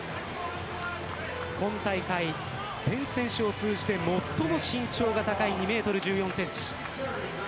今大会、全選手を通じて最も身長が高い２メートル１４センチ。